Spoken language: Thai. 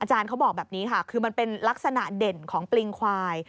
เขาบอกแบบนี้ค่ะคือมันเป็นลักษณะเด่นของปลิงควาย